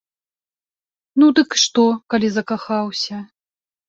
Ну, дык што, калі закахаўся?